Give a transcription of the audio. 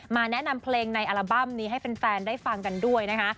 แนะนำเพลงในอัลบั้มนี้ให้แฟนได้ฟังกันด้วยนะคะ